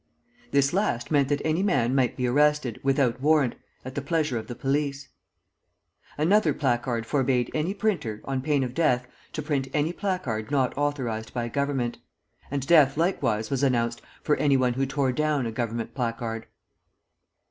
This last meant that any man might be arrested, without warrant, at the pleasure of the police. Another placard forbade any printer, on pain of death, to print any placard not authorized by Government; and death likewise was announced for anyone who tore down a Government placard.